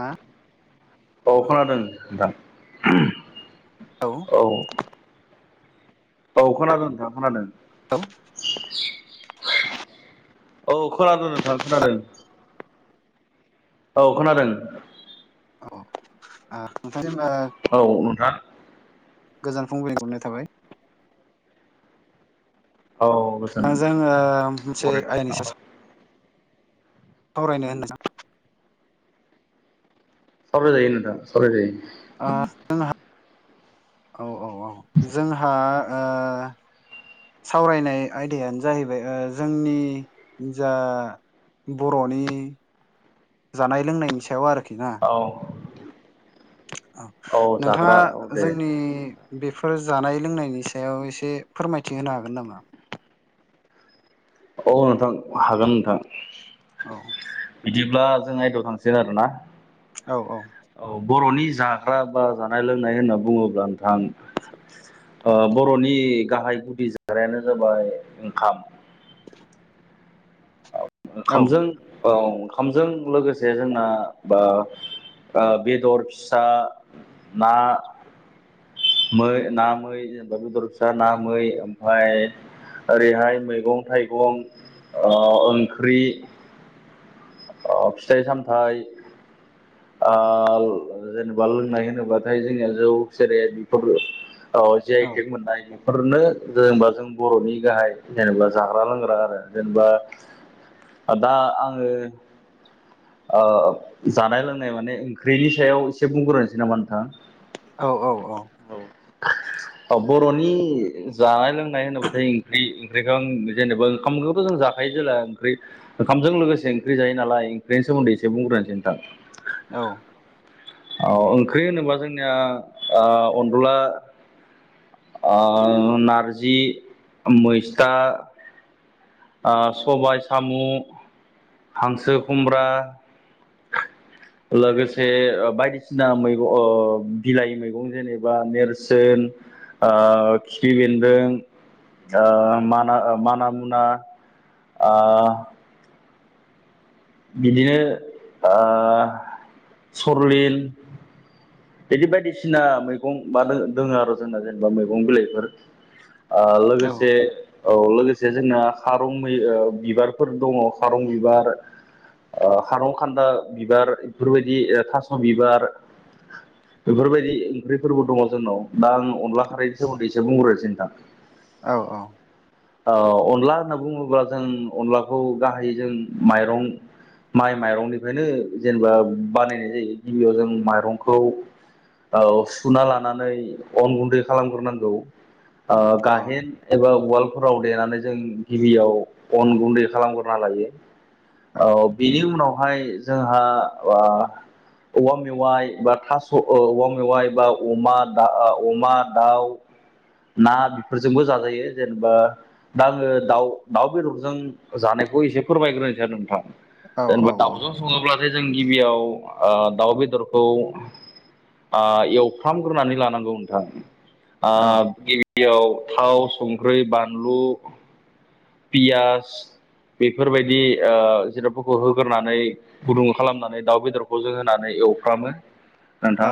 हा औ खोनादों नोंथां? औ। औ। औ खोनादों नोंथां खोनादों। [inaudible] औ खोनादों नोंथां खोनादों। औ खोनादों। औ नोंथां जेनेबा औ नोंथां। गोजान फुंबिलि हरनाय थाबाय। औ। गोजोन आंजों मोनसे बरायबाय आइनि औ सा सा सावरायनो होनदों सावराय जायो नोंथां सावरायजायो ओ [unintelligible] औ औ औ जोंहा ओ सावरायनाय आयदायानो जाहैबाय ओ जोंनि जा बर'नि औ औ जाग्रा नोंथाङा औ दे जोंनि बेफोर जानाय लोंनायनि सायाव एसे फोरमायथि होनो हागोन नामा? औ नोंथां हागोन नोंथां। औ बिदिब्ला जों आयदायाव थांसिगोन आरोना औ औ औ बर'नि जाग्रा बा जानाय लोंनाय होनना बुङोब्ला नोंथां ओ बर'नि गाहाय गुदि जाग्रायानो जाबाय ओंखाम औ ओंखामजों औ ओंखामजों लोगोसे जोंना बा ओ बेदर फिसा ना मै ना मै जेनेबा बेदर फिसा ना मै ओमफ्राय ओरैहाय मैगं थाइगं ओ ओंख्रि ओ फिथाइ सामथाइ ओ जेनेबा लोंनाय होनोबाथाय जोंनिया जौ सेर बेफोरो औ जिआइ टेग मोननाय बेफोरनो जेनेबा जों बर'नि गाहाय जेनेबा जाग्रा लोंग्रा आरो जेनेबा दा आङो ओ जानाय लों नाय माने ओंख्रिनि सायाव एसे बुंग्रोनोसै नामा नोंथां औ औ औ औ औ बर'नि जानाय लोंनाय होनोब्लाथाय ओंख्रि ओंख्रिखौ आं जेनेबा ओंखामखौथ' जों जाखायो जेला ओंख्रि ओंखामजों लोगोसे ओंख्रि जायो नालाय ओंख्रिनि सोमोन्दैसे बुंग्रोनोसै नोंथां औ औ ओंख्रि होनोबा जोंनिया ओ अनला ओ नारजि, मैस्था ओ सबाय साम' हांसो खुमब्रा लोगोसे बायदिसिना मैगं बिलाइ मैगं जेनेबा नेरसोन ओ खिफि बेन्दों, ओ माना माना मुना ओ बिदिनो ओ सरलिन बिदि बायदिसिना मैगं बा दोङो आरो जोंना जेनेबा मैगं बिलाइफोर ओ औ लोगोसे औ लोगोसे जोंना खारं मै बिबारफोर दङ खारं बिबार ओ खारं खान्दा बिबार बेफोर बायदि थास' बिबार बेफोर बायदि ओंख्रिफोरबो दङ जोंनाव दा आं अनला खारैनि सोमोन्दै एसे बुंग्रोसै नोंथां औ औ औ अनला होनना बुङोब्ला जों अनलाखौ गाहायै जों माइरं माइ माइरंनिफ्रायनो जेनेबा बानायनाय जायो गिबियाव जों माइरंखौ औ सुना लानानै अन गुन्दै खालामग्रोनांगौ ओ गाहेन एबा उवालफोराव देनानै जों गिबियाव अन गुन्दै खालामग्रोना लायो औ बेनि उनावहाय जोंहा ओ औवा मेवाइ बा थास' औ औवा मेवाइ बा अमा दा अमा दाउ ना बेफोरजोंबो जाजायो जेनेबा दा आङो दाउ दाउ बेदरजों जानायखौ एसे फोरमायग्रोनोसै नोंथां औ औ जेनेबा दाउजों संङोब्लासो जों गिबियाव ओ दाउ बेदरखौ ओ एवफ्रामग्रोनानै लानांगौ नोंथां औ ओ गिबियाव थाव संख्रि बानलु पियास बेफोरबायदि ओ जिरादफोरखौ होग्रोनानै गुदुं खालामनानै दाउ बेदरखौ जों होनानै एवफ्रामो औ नोंथां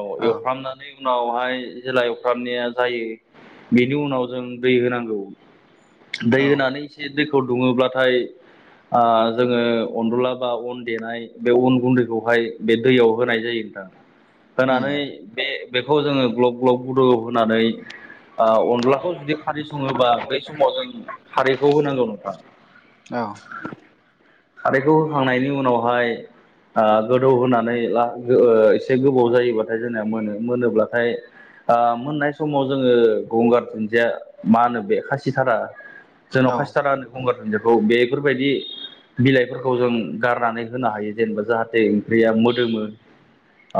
औ एवफ्रामनानै उनावहाय जेला एफ्रामनाया जायो बेनि उनाव जों दै होनांगौ। दै औ होनानै एसे दैखौ दुङोब्लाथाय ओ जोंङो अनदला बा अन देनाय बे अन गुन्दैखौहाय बे दैयाव होनाय जायो नोंथां उम होनानै बे-बेखौ जोंङो ग्लब-ग्लब गुदु होनानै ओ अनलाखौ जुदि खारै सङोबा बै समाव जों खारैखौ होनांगौ नोंथां औ खारैखौ होखांनायनि उनावहाय ओ गोदौ होनानै ला एसे गोबाव जायोबाथाय जोंनाया मोनो मोनोब्लाथाय ओ मोननाय समाव जोंङो गंगार दुुनदिया मा होनो बे खासिथारा औ जोंनाव खासिथाला होनो गंगार दुनदियाखौ बेफोरबायदि बिलाइफोरखौ जों गारनानै होनो हायो जेनेबा जाहाथे ओंख्रिया मोदोमो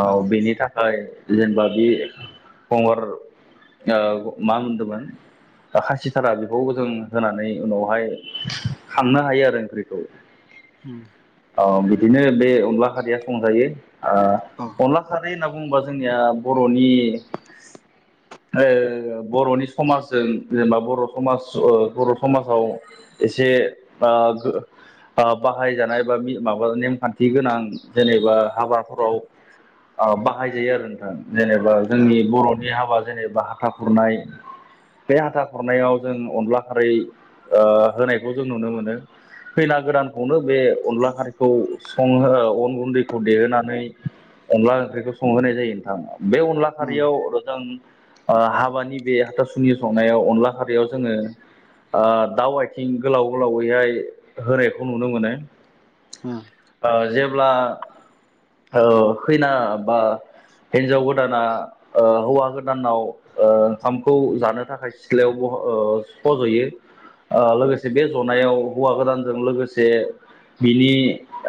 औ बेनि था खाय जेनेबा बे फंगार ओ मा होनदोंमोन बा खासिथारा बेखौ जों होनानै उनावहाय खांनो हायो आरो ओंख्रिखौ अम औ बिदिनो बे अनला खारैया संजायो औ अनला खारै होनना बुं ङोबा जोंनिया बर'नि ओ बर'नि समाज जों जेनेबा बर' समाज ओ बर' समाजाव एसे बा ओ बाहायजानाय बा माबा नेमखान्थि गोनां जेनेबा हाबाफोराव ओ बाहायजायो आरो नोंथां जेनेबा औ जोंनि बर'नि हाबा जेनेबा हाथा खुरनाय बे हाथा खुरनायाव जों अनला खारै ओ होनायखौ जों नुनो मोनो। खैना गोदानखौनो बे अनला खारैखौ संहो अन गुन्दैखौ देहोनानै अनला ओंख्रिखौ संहोनाय जायो नोंथां बे अनला उम खारियाव जों हाबानि बे हाथासुनि संनायाव अनला खारियाव जोंङो ओ दाव आथिं गोलाव गोलावैहाय होनायखौ नुनो मोनो‌। अम ओ जेब्ला ओ खैना बा हिनजाव गोदाना ओ हौवा गोदानाव ओंखामखौ जानो थाखाय सिथ्लायाव ओ फज'यो लोगोसे बे जनायाव हौवा गोदानजों लोगोसे बिनि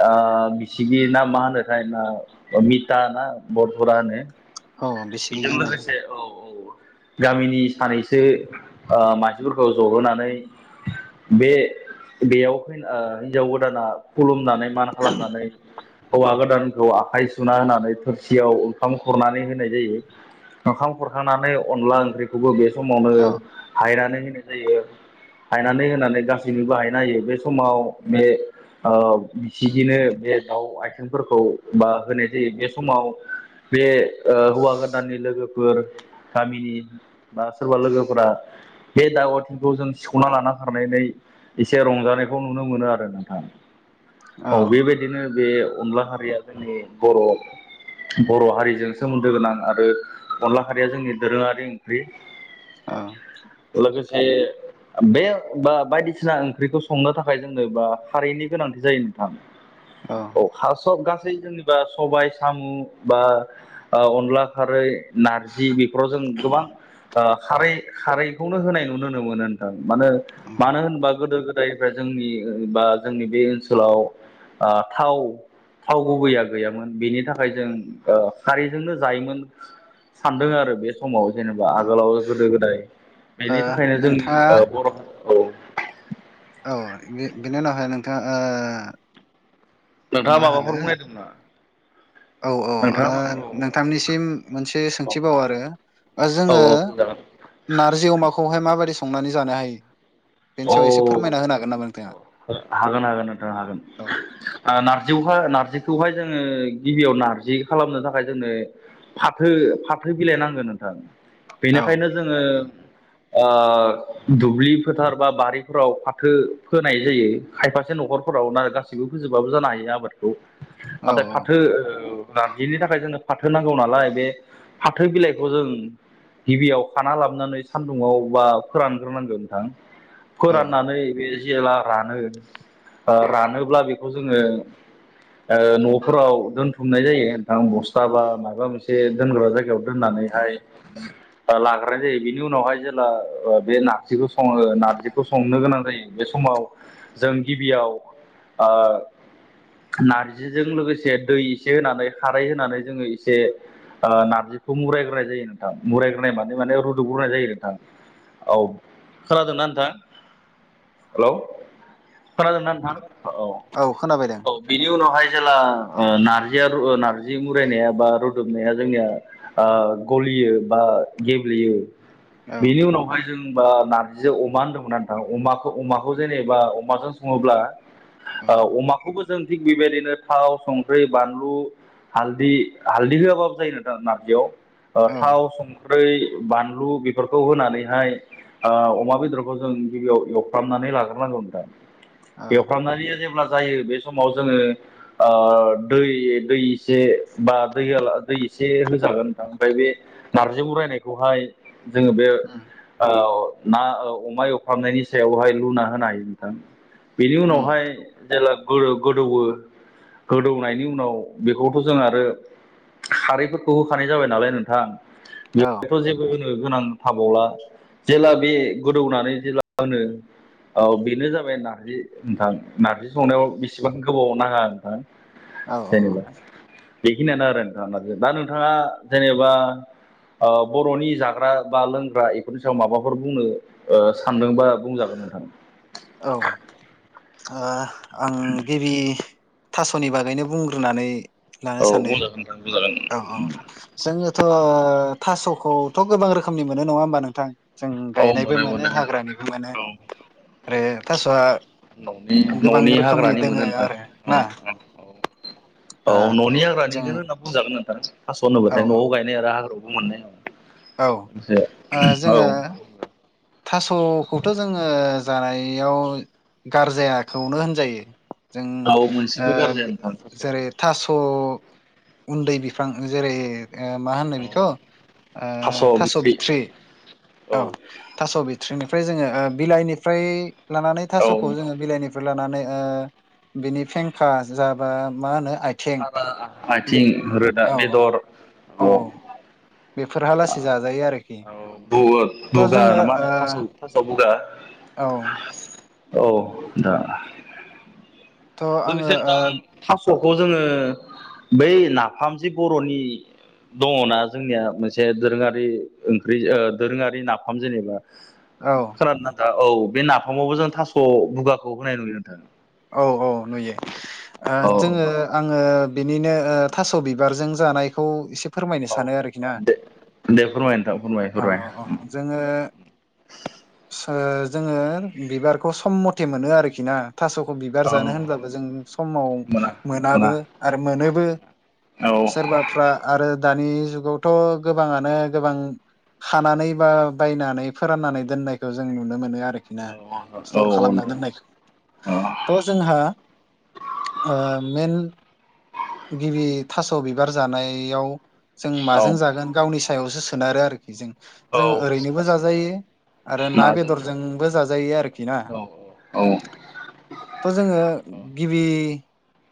ओ बिसिगि ना मा होनोथाय ना मिताना बरधरा होनो। औ बिसिगि बेजों होनो लोगोसे औ गामिनि सानैसो ओ मानसिफोरखौ जहोनानै बे बेयाव फैना हिनजाव गोदाना खुलुमनानै मान खालामनानै हौवा गोदानखौ आखाइ सुना होनानै थोरसियाव ओंखाम खुरनानै होनाय जायो। ओंखाम खुरखांनानै अनला ओंख्रिखौबो बे समावनो औ हायनानै होनाय जायो। हायनानै होनानै गासैनोबो हायना होयो बे समाव बे ओ बिसिगिनो बे दाउ आइथेंफोरखौ बा होनाय जायो बे समाव बे हौवा गोदाननि लोगोफोर गामिनि बा सोरबा लोगोफोरा बे दाव आथिंखौ जों सिख'ना लाना खारनानै एसे रंजानायखौ नुनो मोनो आरो नोंथां औ औ बे बाय बिदिनो बे अनला खारिया जोंनि बर' बर' हारिजों सोमोन्दो गोनां आरो अनला खारिया जोंनि दोरोङारि ओंख्रि ओ लोगोसे बे बा-बायदिसिना ओंख्रिखौ संनो थाखाय जोंनो बा खारैनि गोनांथि जायो नोंथां [inaudible] औ हास' गासै जेनेबा सबाय साम' बा ओ अनला खारै, नारजि बेफोराव जों गोबां ओ खारै खारै बेखौनो होनाय नु-नुनो मोनो ओनथां मानो मानो होनोबा गोदो गोदायनिफ्राय जोंनि बा जोंनि बे ओनसोलाव ओ थाव थाव गुबैया गैयामोन बिनि थाखाय जों ओ खारिजोंनो जायोमोन सानदोंआरो बे समाव जेनेबा औ ओ आगोलाव गोदो गोदाय बेनि थाखायनो जोंनि नोंथाङा ओ बर' औ औ बे-बेनि उनावहाय नोंथाङा ओ मा नोंथाङा होनो माबाफोर बुंनायदोंमोन नामा औ औ नोंथाङा मा ओ नोंथांनिसिम मोनसे सोंथिबाव आरो ओ औ जोङो औ सोंजागोन नारजि अमाखौहाय माबायदि संनानै जानो हायो बेनि सायाव एसे फोरमायना होनो हागोन नामा नोंथाङा हो हागोन हागोन नोथां हागोन औ ओ नारजियावहा नारजिखौहाय जोङो गिबियाव नारजि खालामनो थाखाय जोंनो फाथो फाथो बिलाइ नांगोन नोंथां औ बेनिखायनो जोङो ओ दुब्लि फोथार बा बारिफोराव फाथो फो नाय जायो खायफासे न'खरफोराव ना गासिबो फोजोबाबो जानो हायो आबाद खौ औ नाथाय औ फाथो ओ नारजिनि थाखाय जोंनो फाथो नांगौ नालाय बे फाथो बिलाइखौ जों गिबियाव खाना लाबोनानै सान्दुङाव बा फोरानग्रोनांगौ नोंथां औ फोराननानै बे जेब्ला रानो ओ रानोब्ला बेखौ जोङो ओ न'फोराव दोनथुमनाय जायो नोंथां बस्था बा माबा मोनसे दोनग्रा जायगायाव दोननानै हाय ओ लाग्रोनाय जायो बिनि उनावहाय जेला ओ बे नारजिखौ सङो नार्जिखौ संनो गोनां जायो बे समाव जों गिबियाव ओ नारजिजों लोगोसे दै एसे होनानै खारै होनानै जोङो एसे ओ नारजिखौ मुरायग्रोनाय जायो नोंथां मुरायग्रोनाय माने माने रुदुग्रोनाय जायो नोंथां औ खोनादोंना नोंथां हेलौ खोनादोंना नोंथां औ खोनाबाय दे औ बिनि उनावहाय जेला ओ नारजिया ओ नारजि मुरायनाया बा रोदबनाया जोंनिया ओ गलियो बा गेब्लेयो औ बिनि उनावहाय जोंबा नारजिजों अमा होनदोंमोन ना नोंथां अमा खौ अमाखौ जेनेबा अमाजों सङोब्ला औ ओ अमाखौबो जों थिग बेबायदिनो थाव संख्रि बानलु हालदि हालदि होआबाबो जायो नोंथां नार्जियाव ओ थाव, औ सं ख्रै, बानलु बेफोरखौ होनानैहाय ओ अमा बेदरखौ जों गिबियाव एव फ्रामनानै लाग्रोनांगौ नोंथां औ एवफ्रामनानै जेब्ला जायो बे समाव जोङो ओ दै दै एसे बा दै होला दै एसे होजागोनदां ओमफ्राय बे नारजि उरायनायखौहाय जोङो बे उम ओअ ना अमा एवफ्रामनायनि सायावहाय लुना होनो हायो नोंथां बेनि उम उनावहाय जेला गोदो गोदौवो गोदौनायनि उनाव बेखौथ' जोंआरो खारैफोरखौ होखानाय जाबाय नालाय नोंथां औ बेवहथ' जेबो गोनां थाबावला जेला बे गोदौनानै जेला आनो औ बेनो जाबाय नारजि नोंथां नार्जि संनायाव बेसेबां गोबाव नाङा नोंथां औ जेनेबा औ बेखिनियानो आरो नोंथां दा नोंथाङा जेनेबा ओ बर'नि जाग्रा बा लोंग्रा बेफोरनि सायाव माबाफोर बुंनो ओ सानदोंबा बुंजागोन नोंथां औ औ आं गिबि थास'नि बागैनो बुंग्रोनानै औ लानो सानो बुंजागोन नोंथां बुंजागोन औ औ जोङोथ' थास'खौथ' गोबां रोखोमनि मोनो नङा होमबा नोंथां जों गायनायबो मोनो हाग्रानिबो मोनो औ आरो थास'आ गोबां न'नि रोखोमनि हाग्रानि मोनो दोङो नोंथां आरो उम ना उम ओ औ न'नि जोङो हाग्रानिनो बुजागोन नोंथां हास' औ होननोबोथाय औ न'आव गायनाय आरो हाग्रायावबो मोननाय औ जे ओ औ जोङो थास'खौथ' जोङो जानायाव गारजायाखौनो होनजायो जों औ ओ मोनसेबो गारजाया गो नोंथां थास' जेरै थास' उन्दै बिफां जेरै ओ मा होनो बेखौ ओ थास' बिथ'रि औ थास' बिथ्रिनिफ्राय जोङो बिलाइनिफ्राय लानानै औ थास'खौ जोङो बिलाइनि बोलानानै ओ बिनि फेखा जाबा मा होनो आइथें साना आथिं रोदा बेदर औ बेफोरहा लासै जाजायो आरोखि औ थ' बुगा जोङो ना मा होनो थास' थास' बुगा औ औ दा थ' आङो लोगोसे नोंथां थास'खौ जोङो बै नाफाम जि बर'नि दङना जोंनिया मोनसे मोनसे दोरोङारि ओंख्रि ओ दोरोङारि नाफाम जेनेबा औ खोनादोंना नोंथां औ बे नाफामावबो जों थास' बुगाखौ होनाय नुयो नोंथां औ औ नुयो ओ औ जोङो आङो बिनिनो ओ थास' बिबारजों जानायखौ एसे फोरमायनो सानो आरोखि ना दे दे फोरमाय नोंथां फोरमाय औ फोरमाय औ जोङो सो जोङो बिबारखौ सम मथे मोनो आरोखि ना थास'खौ बिबार जानो होनब्लाबो जों समाव मोना मोनाबो मोना आरो मोनोबो औ सोरबाफ्रा आरो दानि जुगावथ' गोबाङानो गोबां खानानै बा बायनानै फोराननानै दोननायखौ जों नुनो मोनो आरोखि नो औ स्टर खालामना नोंथां दोनो औ थ' जोंहा मेन गिबि थास' बिबार जानायाव जों औ माजों जागोन गावनि सायावसो सोनारो आरोखि जों जों ओरैनोबो जाजायो आरो ना नाजोंबो बेदरजोंबो जाजायो आरोखि ना औ औ थ' जोङो गिबि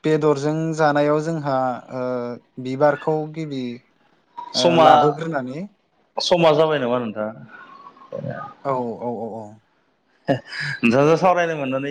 बेदरजों जानायाव जोंहा ओ बिबारखौ गिबि ओ समा लाबोग्रोनानै समा जाबाय नामा नोंथां। औ औ औ नोंथाजो सावरायनो मोननानै